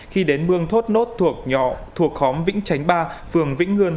khi đến mương thốt nốt thuộc nhỏ thuộc khóm vĩnh chánh ba phường vĩnh ngươn